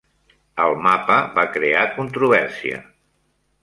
El mapa va crear controvèrsia.